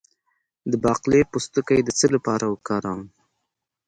د باقلي پوستکی د څه لپاره وکاروم؟